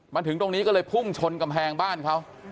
มาถึงตรงนี้ก็เลยพุ่งชนกำแพงบ้านเขา